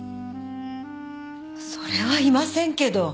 それはいませんけど。